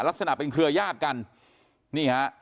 ลักษณะเป็นเครือยาศกัน